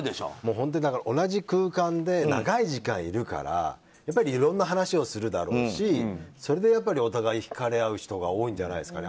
本当に同じ空間で長い時間いるからいろんな話をするだろうしそれでやっぱりお互い引かれ合う人が多いんじゃないですかね。